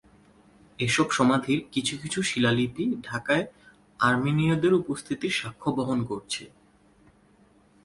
এসব সমাধির কিছু কিছু শিলালিপি ঢাকায় আর্মেনীয়দের উপস্থিতির সাক্ষ্য বহন করছে।